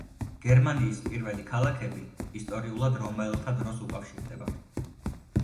გერმანიის პირველი ქალაქები ისტორიულად რომაელთა დროს უკავშირდება.